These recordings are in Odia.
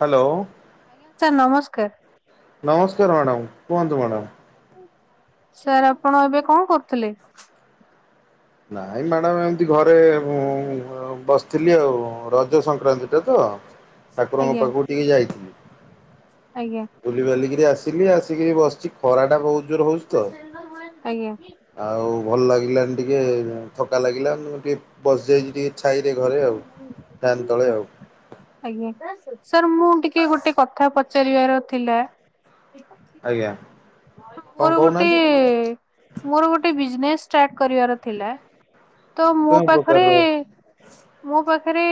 ହ୍ୟାଲୋ ଆଜ୍ଞା ସାର୍ ନମସ୍କାର। ନମସ୍କାର ମ୍ୟାଡ଼ାମ କୁହନ୍ତୁ ମ୍ୟାଡ଼ାମ । ସାର୍ ଆପଣ ଏବେ କଣ କରୁଥିଲେ? ନାଇଁ ମ୍ୟାଡ଼ାମ ଏମତି ଘରେ ବସିଥିଲି ଆଉ ରଜ ସଂକ୍ରାନ୍ତି ଟା ତ । ଠାକୁରଙ୍କ ଆଜ୍ଞା ପାଖକୁ ଟିକେ ଯାଇଥିଲି ଆଜ୍ଞା ବୁଲି ବାଲିିକରି ଆସିଲି ଆସିକିରି ବସିଚି। ଖରାଟା ବହୁତ ଜୋର ହଉଛି ତ ଆଜ୍ଞା ଆଉ ଭଲ ଲାଗିଲାନି । ଟ ଥକା ଲାଗିଲା ମୁଁ ଟିକେ ବସିଯାଇଛି ଟିକେ ଛାଇରେ ଘରେ ଆଉ ଫ୍ୟାନ୍ ତଳେ ଆଉ । ଆଜ୍ଞା ସାର୍ ମୁଁ ଟିକେ ଗୋଟେ କଥା ପଚାରିବାର ଥିଲା? ଆଜ୍ଞା କଣ ମୋର ଗୋଟେ କହୁନାହାନ୍ତି ମୋର ଗୋଟେ ବିଜନେସ୍ ଷ୍ଟାର୍ଟ କରିବାର ଥିଲା ତ ମୋ କେଉଁ ପାଖରେ ପ୍ରକାରର ମୋ ପାଖରେ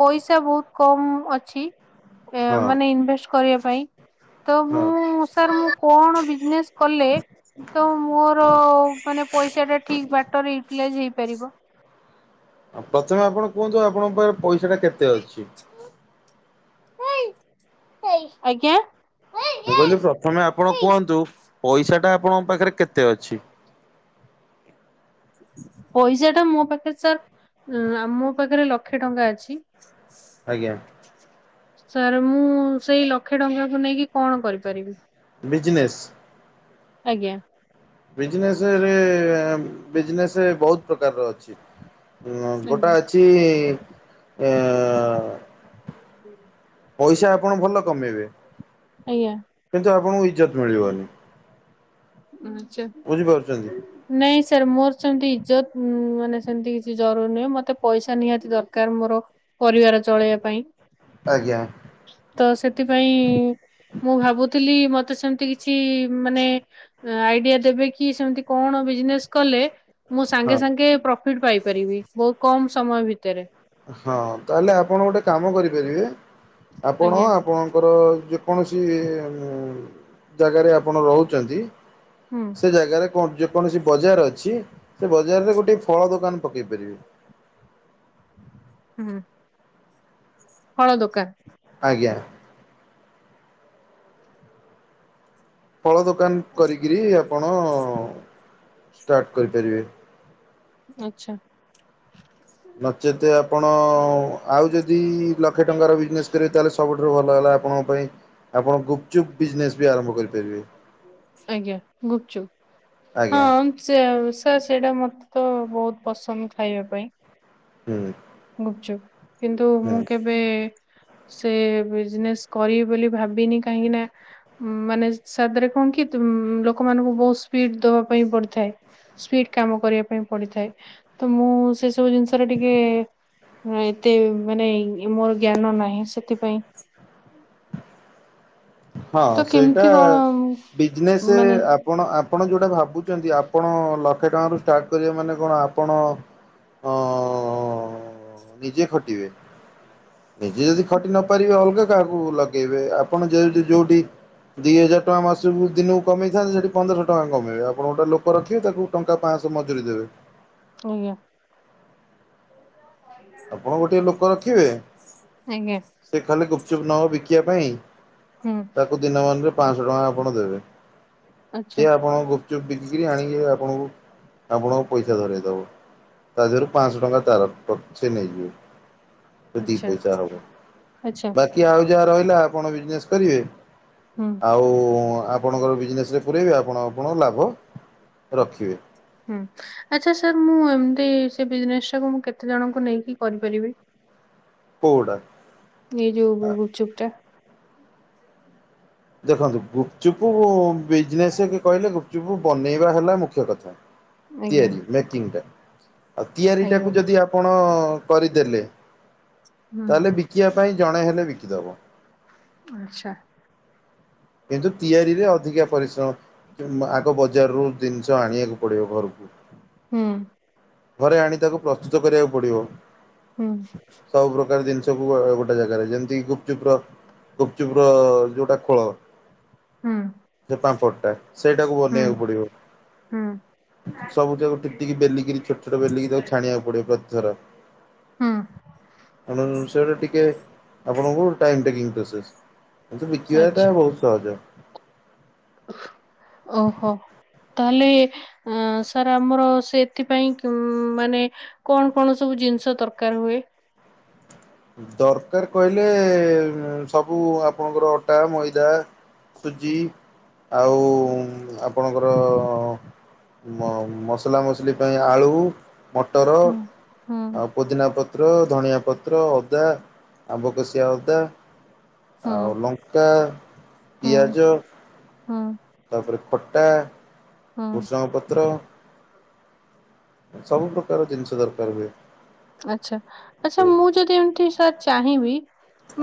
ପଇସା ବହୁତ କମ ଅଛି ଏ ହଁ ମାନେ ଇନଭେଷ୍ଟ କରିବା ପାଇଁ। ତ ହଁ ମୁଁ ସାର୍ ମୁଁ କଣ ବିଜନେସ କଲେ ତ ମୋର ମାନେ ପଇସା ଟା ଠିକ ବାଟରେ ୟୁଟିଲାଇଜ ହେଇପାରିବ? ପ୍ରଥମେ ଆପଣ କୁହନ୍ତୁ ଆପଣଙ୍କ ପାଖରେ ପଇସା ଟା କେତେ ଅଛି। ଆଜ୍ଞା। ମୁଁ କହିଲି ପ୍ରଥମେ ଆପଣ କୁହନ୍ତୁ ପଇସାଟା ଆପଣଙ୍କ ପାଖରେ କେତେ ଅଛି? ପଇସା ଟା ମୋ ପାଖରେ ସାର୍ ମୋ ପାଖରେ ଲକ୍ଷେ ଟଙ୍କା ଅଛି। ଆଜ୍ଞା ସାର୍ ମୁଁ ସେଇ ଲକ୍ଷେ ଟଙ୍କାକୁ ନେଇକି କଣ କରିପାରିବି। ବିଜନେସ? ଆଜ୍ଞା। ବିଜନେସ ରେ ବିଜନେସ ବହୁତ ପ୍ରକାରର ଅଛି। ଉ ଆଜ୍ଞା। ଗୋଟା ଅଛି ଆ ପଇସା ଆପଣ ଭଲ କମେଇବେ ଆଜ୍ଞା କିନ୍ତୁ ଆପଣଙ୍କୁ ଇଜ୍ଜତ ମିଳିବନି। ଆଚ୍ଛା। ବୁଝିପାରୁଛନ୍ତି? ନାଇଁ ସାର୍ ମୋର ସେମିତି ଇଜ୍ଜତ ମାନେ ସେମିତି କିଛି ଜରୁରୀ ନୁହଁ। ମୋତେ ପଇସା ନିହାତି ଦରକାର ମୋର ପରିବାର ଚଳେଇବା ପାଇଁ ଆଜ୍ଞା ତ ସେଥିପାଇଁ ମୁଁ ଭାବୁଥିଲି ମତେ ସେମିତି କିଛି ମାନେ ଆଇଡିଆ ଦେବେ କି ସେମିତି କଣ ବିଜନେସ୍ କଲେ ମୁଁ ସାଙ୍ଗେ ହଁ ସାଙ୍ଗେ ପ୍ରଫିଟ ପାଇପାରିବି ବହୁତ କମ ସମୟ ଭିତରେ। ହଁ ତା ହେଲେ ଆପଣ ଗୋଟେ କାମ କରିପାରିବେ ଆପଣ ଆଜ୍ଞା। ଆପଣଙ୍କର ଯେ କୌଣସି ଜାଗାରେ ଆପଣ ରହୁଛନ୍ତି। ହୁଁ ସେ ଜାଗାରେ ଯେ କୌଣସି ବଜାର ଅଛି। ସେ ବଜାରରେ ଗୋଟେ ଫଳ ଦୋକାନ ପକେଇ ପାରିବେ ହୁଁ। ଫଳ ଦୋକାନ? ଆଜ୍ଞା। ଫଳ ଦୋକାନ କରିକିରି ଆପଣ ଷ୍ଟାର୍ଟ କରିପାରିବେ। ଆଚ୍ଛା। ନଚେତ ଆପଣ ଆଉ ଯଦି ଲକ୍ଷେ ଟଙ୍କାର ବିଜନେସ୍ କରିବେ ତାହେଲେ ସବୁଠାରୁ ଭଲ ହେଲା ଆପଣଙ୍କ ପାଇଁ ଆପଣ ଗୁପଚୁପ୍ ବିଜନେସ୍ ବି ଆରମ୍ଭ କରିପାରିବେ। ଆଜ୍ଞା ଗୁପଚୁପ୍ ଆଜ୍ଞା ହଁ ସେ ସାର୍ ସେଇଟା ମତେ ତ ବହୁତ ପସନ୍ଦ ଖାଇବା ପାଇଁ। ହୁଁ। ଗୁପଚୁପ କିନ୍ତୁ ମୁଁ ହୁଁ। କେବେ ସେ ବିଜନେସ୍ କରିବି ବୋଲି ଭାବିନି କାହିଁକି ନା ଉ ମାନେ ସାଧରେ କଣ କି ଲୋକମାନଙ୍କୁ ବହୁତ ସ୍ପିଡ ଦବା ପାଇଁ ପଡିଥାଏ ସ୍ପିଡ କାମ କରିବା ପାଇଁ ପଡିଥାଏ। ତ ମୁଁ ସେ ସବୁ ଜିନିଷରେ ଟିକେ ଏତେ ମାନେ ମୋର ଜ୍ଞାନ ନାହିଁ ସେଥିପାଇଁ। ହଁ ତ ସେଇଟା କେମିତି କଣ ବିଜନେସ ମାନେ ଆପଣ ଆପଣ ଯୋଉଟା ଭାବୁ ଆପଣ ଲକ୍ଷେ ଟଙ୍କା ରୁ ଷ୍ଟାର୍ଟ କରିବେ ମାନେ କଣ ଆପଣ ହଁ ନିଜେ ଖଟିବେ ନିଜେ ଯଦି ଖଟି ନ ପାରିବେ ଅଲଗା କାହାକୁ ଲଗେଇବେ ଆପଣ ଯେ ଯଉଠି ଦି ହଜାର ଟଙ୍କା ମାସକୁ ଦିନକୁ କମେଇଥାନ୍ତେ ସେଠି ପନ୍ଦରଶହ ଟଙ୍କା କମେଇବେ ଆପଣ ଗୋଟେ ଲୋକ ରଖିବେ ତାକୁ ଟଙ୍କା ପାଁଶ ମଜୁରୀ ଦେବେ। ଆଜ୍ଞା। ଆପଣ ଗୋଟେ ଲୋକ ରଖିବେ ଆଜ୍ଞା। ସେ ଖାଲି ଗୁପଚୁପ ନବ ବିକିବା ପାଇଁ, ହୁଁ, ତାକୁ ଦିନ ମାନରେ ପାଞ୍ଚଶହ ଟଙ୍କା ଆପଣ ଦେବେ। ଆଚ୍ଛା, ସିଏ ଆପଣ ଗୁପଚୁପ୍ ବିକିକରି ଆଣିକି ଆପଣଙ୍କୁ ଆପଣଙ୍କୁ ପଇସା ଧରାଇଦବ ତା ଦେହରୁ ପାଞ୍ଚଶହ ଟଙ୍କା ତାର ସେ ନେଇଯିବ। ସେତିକି ଆଚ୍ଛା, ପଇସା ହବ ଆଚ୍ଛା, ବାକି ଆଉ ଯାହା ରହିଲା ଆପଣ ବିଜନେସ କରିବେ। ହୁଁ, ଆଉ ଆପଣଙ୍କର ବିଜନେସ୍ ରେ ପୁରାଇବେ ଆପଣ ଆପଣଙ୍କ ଲାଭ ରଖିବେ। ହୁଁ ଆଚ୍ଛା ସାର୍ ମୁଁ ଏମିତି ସେ ବିଜନେସ୍ ଟାକୁ ମୁଁ କେତେଜଣଙ୍କୁ ନେଇକି କରିପାରିବି। କୋଉଟା? ଏ ଯଉ ଗୁପଚୁପଟା। ଦେଖନ୍ତୁ ଗୁପଚୁପ ବିଜନେସ କହିଲେ ଗୁପଚୁପ ବନେଇବା ହେଲା ମୁଖ୍ୟ କଥା। ଆଜ୍ଞା, ତିଆରି ମେକିଂଟା। ଆଉ ଆଜ୍ଞା। ତିଆରିଟାକୁ ଯଦି ଆପଣ କରିଦେଲେ। ହୁଁ, ତାହେଲେ ବିକିବା ପାଇଁ ଜଣେ ହେଲେ ବିକିଦବ। ଆଚ୍ଛା। କିନ୍ତୁ ତିଆରିରେ ଅଧିକା ପରିଶ୍ରମ। ଆଗ ବଜାରରୁୁ ଜିନିଷ ଆଣିବାକୁ ପଡିବ ଘରକୁ, ହୁଁ, ଘରେ ଆଣି ତାକୁ ପ୍ରସ୍ତୁତ କରିବାକୁ ପଡିବ। ହଁ। ସବୁ ପ୍ରକାର ଜିନିଷକୁ ଗୋଟେ ଜାଗାରେ ଯେମିତି ଗୁପଚୁପର ଗୁପଚୁପର ଯୋଉଟା ଖୋଳ ହୁଁ, ସେ ପାମ୍ପଡ଼ଟା ସେଇଟାକୁ ହୁଁ, ବନେଇବାକୁ ପଡିବ। ହୁଁ, ସବୁଯାକୁ ଟିକ ଟିକ ବେଲିକିରି ଛୋଟ ଛୋଟ ବେଲିକି ତାକୁ ଛାଣିବାକୁ ପଡିବ ପ୍ରତିଥର। ହୁଁ, ସେ ଟିକେ ଆପଣଙ୍କୁ ଟାଇମ ଟେକିଙ୍ଗ ପ୍ରସେସ। କିନ୍ତୁ ଆଚ୍ଛା, ବିକିବାଟା ବହୁତ ସହଜ। ଓହୋ। ତାହଲେ ଅ ସାର୍ ଆମର ସେଥିପାଇଁ ମାନେ କଣ କଣ ସବୁ ଜିନିଷ ଦରକାର ହୁଏ। ଦରକାର କହିଲେ ସବୁ ଆପଣଙ୍କର ଅଟା ମଇଦା, ସୁଜି ଆଉ ଆପଣଙ୍କର ମସଲା ମସଲି ପାଇଁ ଆଳୁ, ମଟର ହୁଁ, ହୁଁ, ଆଉ ପୋଦିନାପତ୍ର ଧଣିଆପତ୍ର ଅଦା ଆମ୍ବକଶିଆ ଅଦା ହୁଁ, ଆଉ ଲଙ୍କା, ହୁଁ, ପିଆଜ ହୁଁ, ତାପରେ ଖଟା ହୁଁ। ଭୃଷଙ୍ଗପତ୍ର। ତାର ଜିନିଷ ଦରକାର ହୁଏ। ଆଚ୍ଛା ଆଚ୍ଛା ମୁଁ ଯଦି ଏମିତି ସାର୍ ଚାହିଁବି,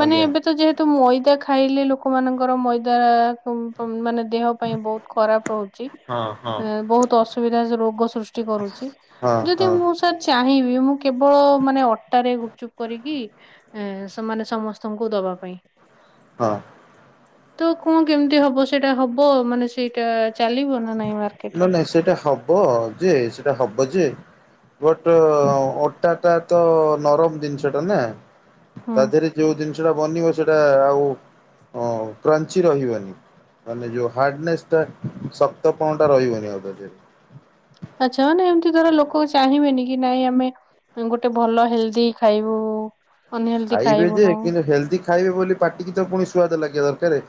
ମାନେ ଆଜ୍ଞା। ଏବେ ତ ଯେହେତୁ ମଇଦା ଖାଇଲେ ଲୋକମାନଙ୍କର ମଇଦା ମାନେ ଦେହ ପାଇଁ ବହୁତ ଖରାପ ରହୁଛି। ହଁ ହଁ ଏ ବହୁତ ଅସୁବିଧା ରୋଗ ସୃଷ୍ଟି କରୁଛି ହଁ ଯଦି ହଁ ମୁଁ ସାର୍ ଚାହିଁବି ମୁଁ କେବଳ ମାନେ ଅଟାରେ ଗୁପଚୁପ କରିକି ସ ମାନେ ସମସ୍ତଙ୍କୁ ଦବା ପାଇଁ ହଁ। ତ କଣ କେମିତି ହବ ସେଇଟା ହବ ମାନେ ସେଇଟା ଚାଲିବ ନା ନାଇଁ ନାଇଁ ମାର୍କେଟରେ। ନାଇଁ ସେଇଟା ହବ ଯେ ସେଟା ହବ ଯେ ବଟ ଅଟାଟା ତ ନରମ ଜିନିଷଟା ନା ହୁଁ। ତା ଦେହରେ ଯୋଉ ଜିନିଷଟା ବନିବ ସେଟା ଆଉ କ୍ରଞ୍ଚି ରହିବନି ମାନେ ଯୋଉ ହାର୍ଡନେସ୍ ଟା [unintelligible] ଟା ରହିିବନି ଆଉ ତା ଦିହରେ। ଆଚ୍ଛା ମାନେ ଏମିତି ଧର ଲୋକ ଚାହିଁବେନି କି ନାଇଁ ଆମେ ଗୋଟେ ଭଲ ହେଲଦି ଖାଇବୁ। ଅନହେଲ୍ଦି ଖାଇବେ ଯେ ଖାଇବୁନୁ କିନ୍ତୁ ହେଲ୍ଦି ଖାଇବେ ବୋଲି ପାଟିକି ତ ପୁଣି ସୁଆଦ ଲାଗିବା ଦରକାର।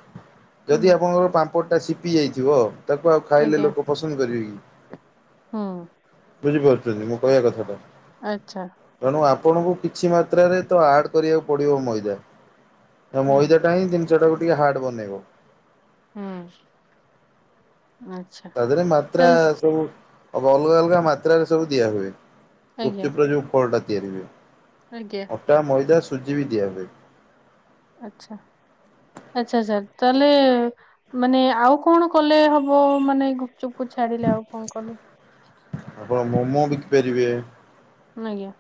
ହୁଁ ଯଦି ଆପଣଙ୍କର ପାମ୍ପଡ ଟା ସିପି ଯାଇଥିବ। ତାକୁ ଆଉ ଖାଇଲେ ଆଜ୍ଞା ଲୋକ ପସନ୍ଦ କରିବେ କି? ହୁଁ ବୁଝିପାରୁଛନ୍ତି ମୁଁ କହିବା କଥାଟା। ଆଚ୍ଛା। ତେଣୁ ଆପଣଙ୍କୁ କିଛି ମାତ୍ରାରେ ତ ଆଡ କରିବାକୁ ପଡିବ ମଇଦା। ହୁଁ ମଇଦା ଟା ହିଁ ଟାକୁ ଟିକେ ହାର୍ଡ ବନେଇବ। ହୁଁ। ଆଚ୍ଛା ତା ଦେହରେ ମାତ୍ରା ତାହେଲେ ସବୁ ଅଲଗା ଅଲଗା ମାତ୍ରାରେ ସବୁ ଦିଆ ହୁଏ। ଆଜ୍ଞା ଗୁପଚୁପ ଯୋଉ ଖୋଳ ଟା ତିଆରି ହୁଏ। ଆଜ୍ଞା ଅଟା ମଇଦା ସୁୂଜି ବି ଦିଆ ହୁଏ। ଆଚ୍ଛା। ଆଚ୍ଛା ଆଚ୍ଛା ତାହେଲେ ମାନେ ଆଉ କଣ କଲେ ହବ। ମାନେ ଚୁପୁ ଛାଡିଲେ ଆଉ କଣ କଲେ। ଆପଣ ମୋମୋ ବିକି ପାରିବେ। ଆଜ୍ଞା।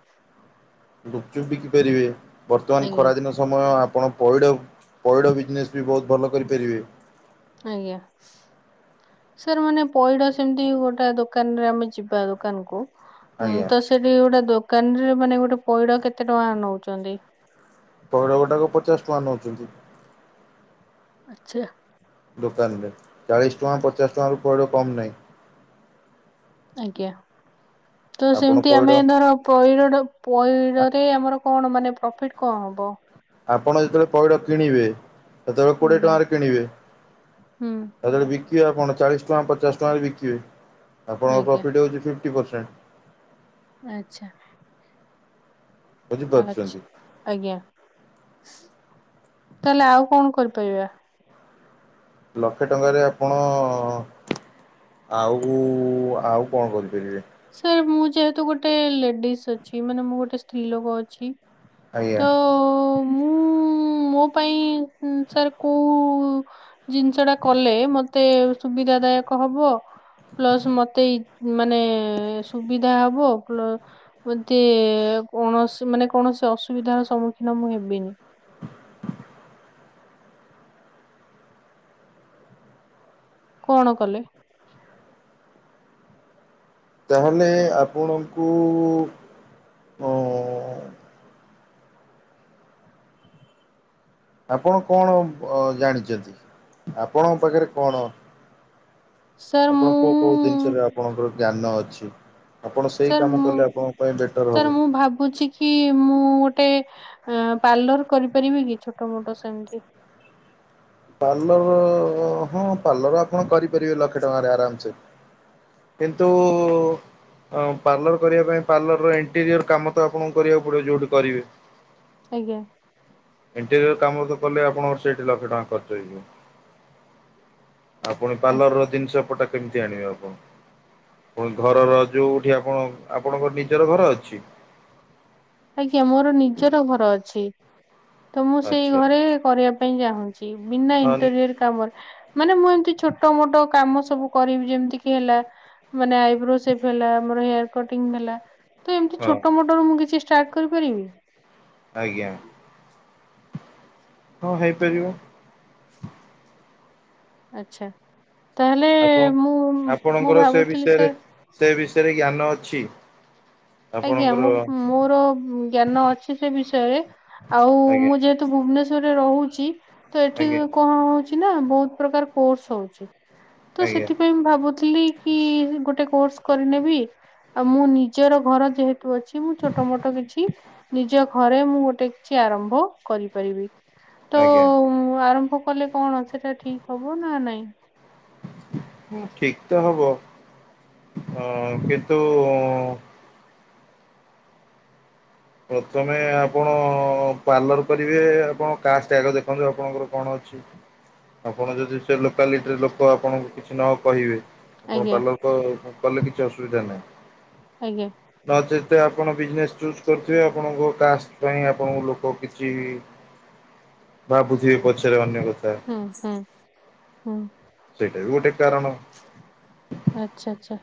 ଗୁପଚୁପ ବିକି ପାରିବେ। ବର୍ତ୍ତମାନ ଆଜ୍ଞା ଖରାଦିନ ସମୟ ଆପଣ ପଇଡ ପଇଡ ବିଜିନେସ୍ ବି ବହୁତ ଭଲ କରିପାରିବେ। ଆଜ୍ଞା। ସାର୍ ମାନେ ପଇଡ ସେମିତି ଗୋଟେ ଦୋକାନରେ ଆମେ ଯିବା ଦୋକାନ୍ କୁ। ହଁ ଆଜ୍ଞା ତ ସେଠି ଗୋଟେ ଦୋକାନରେ ମାନେ ଗୋଟେ ପଇଡ କେତେ ଟଙ୍କା ନଉଛନ୍ତି। ପଗଡ ଗୋଟାକ ପଚାଶ ଟଙ୍କା ନୋଉଛନ୍ତି। ଆଚ୍ଛା। ପଇଡ କମ୍ ନାଇଁ। ଆଜ୍ଞା। ତ ଆପଣ ସେମିତି ପଇଡ଼ ଆମେ ଧର ପଇଡ ଟା ପଇଡ ରେ ଆମର କଣ ମାନେ ପ୍ରଫିଟ କଣ ହବ? ଆପଣ ଯେତେବେଳେ ପଇଡ କିଣିବେ। ସେତେବେଳେ କୋଡିଏ ଆଜ୍ଞା ଟଙ୍କାରେ କିଣିବେ। ହୁଁ ଯେତେବେଳେ ବି ବିକିବେ ଆପଣ ଚାଳିଶ ଟଙ୍କା ପଚାଶ ଟଙ୍କାରେ ବିକିବେ। ଆପଣଙ୍କ ଆଜ୍ଞା ପ୍ରଫିଟ୍ ହେଉଛି ଫିଫ୍ଟି ପରସେଣ୍ଟ। ଆଚ୍ଛା। ଆଚ୍ଛା ବୁଝିପାରୁଛନ୍ତି ଆଜ୍ଞା ତାହେଲେ ଆଉ କଣ କର ତ ୟା। ଲକ୍ଷେ ଟଙ୍କାରେ ଆପଣ ଆଉ ଆଉ କଣ କରିପାରିବେ। ସାର୍ ମୁଁ ଯେହେତୁ ଗୋଟେ ଲେଡିଜ ଅଛି। ମାନେ ମୁଁ ଗୋଟେ ସ୍ତ୍ରୀ ଲୋକ ଅଛି। ତ ଆଜ୍ଞା। ମୁଁ ମୋ ପାଇଁ ସାର୍ କୋଉ ଜିନିଷଟା କଲେ ମତେ ସୁବିଧା ଦାୟକ ହବ। ପ୍ଲସ ମତେଇ ମାନେ ସୁବିଧା ହବ ପ୍ଲ ମତେ କୌଣସି ମାନେ କୌଣସି ଅସୁବିଧାର ସମ୍ମୁଖୀନ ମୁଁ ହେବିନି। କଣ କଲେ? ତାହେଲେ ଆପଣଙ୍କୁ ଉଁ ଉଁ ଆପଣ କଣ ଜାଣିଛନ୍ତି ଆପଣଙ୍କ ପାଖରେ କଣ ସାର୍ ଆପଣ ମୁଁ କୋଉ କୋଉ ଜିନିଷରେ ଆପଣଙ୍କର ଜ୍ଞାନ ଅଛି। ଆପଣ ସେଇ ସାର୍ କାମ ମୁଁ କଲେ ଆପଣଙ୍କ ପାଇଁ ବେଟର ହବ ସାର୍ ମୁଁ ଭାବୁଛି କି ମୁଁ ଗୋଟେ ଆ ପାର୍ଲର କରିପାରିବି କି ଛୋଟ ମୋଟ ସେମିତି। ପାର୍ଲର ହଁ ପାର୍ଲର ଆପଣ କରିପାରିବେ ଲକ୍ଷେ ଟଙ୍କାରେ ଆରାମ୍ସେ। କିନ୍ତୁ ହଁ ପାର୍ଲର କରିବା ପାଇଁ ପାର୍ଲରର ଇଣ୍ଟେରିୟର କାମ ତ ଆପଣଙ୍କୁ କରିବାକୁ ପଡିବ ଯଉଠି କରିବେ। ଆଜ୍ଞା ଇଣ୍ଟେରିୟର କାମ ତ କଲେ ଆପଣଙ୍କର ସେଇଠି ଲକ୍ଷେ ଟଙ୍କା ଖର୍ ଚ ହେଇଯିବ। ଆଉ ପୁଣି ପାର୍ଲର ର ଜିନିଷପଟା କେମିତି ଆଣିବେ ଆପଣ? ଫୁଣି ଘରର ଯୋଉଠି ଆପଣ ଆପଣଙ୍କର ନିଜର ଘର ଅଛି? ଆଜ୍ଞା ମୋର ନିଜର ଘର ଅଛି। ତ ମୁଁ ସେଇ ଆଚ୍ଛା ଘରେ କରିବା ପାଇଁ ଚାହୁଁଛି ବିନା ହଁ ଇଣ୍ଟେରିୟର କାମରେ ମାନେ ମୁଁ ଏମତି ଛୋଟ ଟ ମୋଟ କାମ ସବୁ କରିବି ଯେମତି କି ହେଲା ମାନେ ଆଇବ୍ରୋ ସେପ୍ ହେଲା ଆମାର ହେଆର କଟିଙ୍ଗ ହେଲା ତ ଏମିତି ହଁ ଛୋଟ ମୋଟ ରୁ ମୁଁ କିଛି ଷ୍ଟାର୍ଟ କରିପାରିବି? ଆଜ୍ଞା। ହଁ ହେଇପାରିବ। ଆଛା ତାହେଲେ ଆପଣ ମୁଁ ମୁଁ ଭାବୁଥିଲି ସାର୍ ଥେରେ ଜ୍ଞାନ ଅଛି? ଆଜ୍ଞା ଆପଣଙ୍କର ମୁଁ ମୋର ଜ୍ଞାନ ଅଛି ସେ ବିଷୟରେ ଆଉ ଆଜ୍ଞା ମୁଁ ଯେହେତୁ ଭୁବନେଶ୍ଵ ର୍ ରେ ରହୁଛି ତ ଏଠି ଆଜ୍ଞା କଣ ହଉଛି ନା ବହୁତ ପ୍ରକାର କୋର୍ସ ହଉଛି। ତ ଆଜ୍ଞା ସେଥିପାଇଁ ମୁଁ ଭାବୁଥିଲି କି ଗୋଟେ କୋର୍ସ କରିନେବି ଆଉ ମୁଁ ନିଜର ଘର ଯେହେତୁ ଅଛି ମୁଁ ଛୋଟ ମୋଟ କିଛି ନିଜ ଘରେ ମୁଁ ଗୋଟେ କିଛି ଆରମ୍ଭ କରିପାରିବି। ତ ଆଜ୍ଞା। ଅ ଆରମ୍ଭ କଲେ କଣ ସେଟା ଠିକ ହବ ନା ନାଇଁ? ହଁ ଠିକ ତ ହବ ଅ କିନ୍ତୁ ପ୍ରଥମେ ଆପଣ ପାର୍ଲର କରିବେ ଆପଣ କାଷ୍ଟ ଆଗ ଦେଖନ୍ତୁ ଆପଣଙ୍କର କଣ ଅଛି। ଆପଣ ଯଦି ସେ ଲୋକାଲିଟିର ଲୋକ ଆପଣଙ୍କୁ କିଛି ନ କହିବେ ଆପଣ ଆଜ୍ଞା ପାର୍ଲର କ କଲେ କିଛି ଅସୁବିଧା ନାହିଁ। ଆଜ୍ଞା ନ ଯେତେ ଆପଣ ବିଜନେସ ଠୁ ରୁଥିବେ ଆପଣଙ୍କ କାଷ୍ଟ ପାଇଁ ଆପଣଙ୍କ ଲୋକ କିଛି ବା ବୁଝିିବେ ପଛରେ ଅନ୍ୟ କଥା। ହଁ ହଁ ହୁଁ। ସେଇଟା ବି ଗୋଟେ କାରଣ। ଆଚ୍ଛା ଆଚ୍ଛା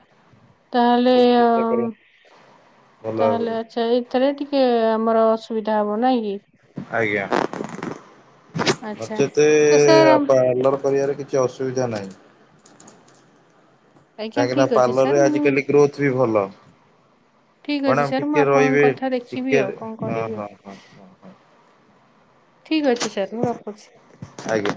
ତାହେଲେ ଆପଣ ଚେଷ୍ଟା ଅମ୍ କରନ୍ତୁ ଭଲ ତାହେଲେ ଭାବରେ ଆଛା ଏଥିରେ ଟିକେ ଆମର ଅଶ୍ ସୁବିଧା ହବ ନାଇଁ କି? ଆଜ୍ଞା ଆଚ୍ଛା ନଚେତ ତ ସାର୍ ପାର୍ଲର କରିବାରେ କିଛି ଅସୁ ବିଧା ନାଇଁ। ଆଜ୍ଞା କାହିଁକି ନା ଠିକ ଅଛି ସାର୍ ପାାର୍ଲରରେ ମୁଁ ଆଜିିକାଲି ଗ୍ରୋଥ ବି ଭଲ। ଠିକ ଅଛି ମ୍ୟାଡ଼ାମ ସାର୍ ମୁଁ ଟିକେ ଆପଣଙ୍କ ରହିବେ କଥା ଦେଖିବି ଟିକେ ଆଉ କଣ ହଁ କରିବି। ହଁ ହଁ ହ ହ ଠିକ ଅଛି ସାର୍ ମୁଁ ରଖୁଛି। [inaudible] ଆଜ୍ଞା।